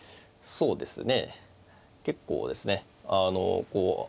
そうですね。